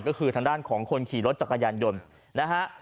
ก็คือทางด้านของคนขี่รถจักรยานยนต์นะฮะ